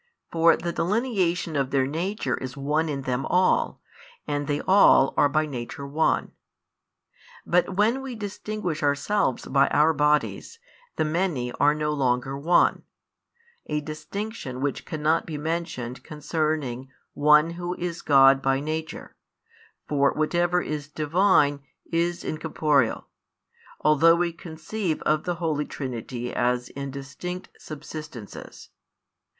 For the delineation of their nature is one in them all, and they all are by nature one. But when we distinguish ourselves by our bodies, the many are no longer one; a distinction which cannot be mentioned concerning One Who is God by Nature, for whatever is Divine is incorporeal, although we conceive of the Holy Trinity as in distinct Subsistences.